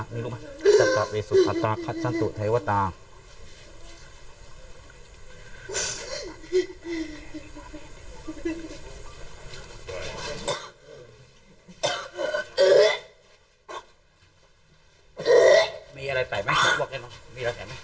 มีอะไรใส่ไหม